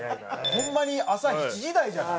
ホンマに朝７時台じゃない？